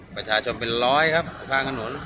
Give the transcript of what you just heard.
ประชาชนเป็นร้อยครับทางกระหนุน